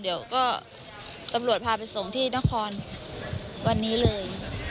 แล้วก็ทำโหลดพาไปส่งที่นครวันนี้เลย